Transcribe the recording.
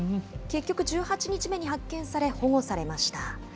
結局、１８日目に発見され、保護されました。